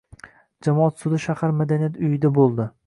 Jamoat sudi shahar madaniyat uyida bo‘ldi.